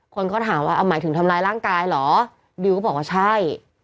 คนก็ถามว่าเอาหมายถึงทำร้ายร่างกายเหรอดิวก็บอกว่าใช่